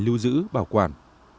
lưu giữ bảo quản